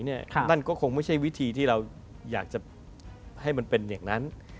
นั่นก็คงไม่ใช่วิธีที่เราอยากจะให้มันเป็นอย่างนั้น